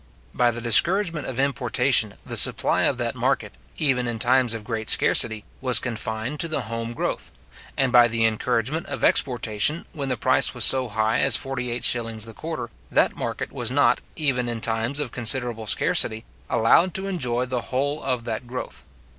By the discouragement of importation, the supply of that market; even in times of great scarcity, was confined to the home growth; and by the encouragement of exportation, when the price was so high as 48s. the quarter, that market was not, even in times of considerable scarcity, allowed to enjoy the whole of that growth.